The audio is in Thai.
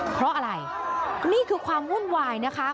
เพราะอะไรนี่คือความวุ่นวายนะคะ